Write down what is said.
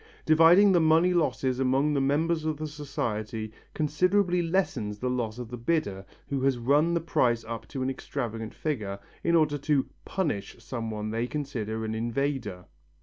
Dividing the money losses among the members of the society, considerably lessens the loss of the bidder who has run the price up to an extravagant figure, in order to "punish" some one they consider an invader.